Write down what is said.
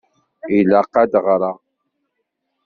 Ilaq ad ɣṛeɣ.